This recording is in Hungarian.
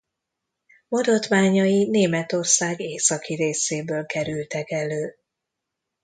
Maradványai Németország északi részéből kerültek elő.